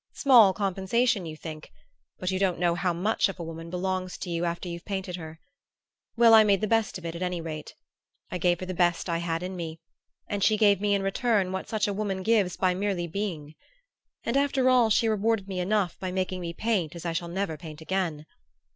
Small compensation, you think but you don't know how much of a woman belongs to you after you've painted her! Well, I made the best of it, at any rate I gave her the best I had in me; and she gave me in return what such a woman gives by merely being. And after all she rewarded me enough by making me paint as I shall never paint again!